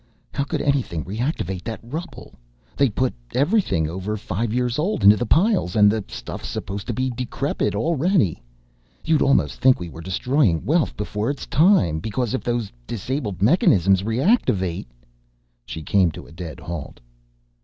How could anything reactivate that rubble? They put everything over five years old into the piles, and the stuff's supposed to be decrepit already. You'd almost think we were destroying wealth before its time, because if those disabled mechanisms reactivate " She came to a dead halt.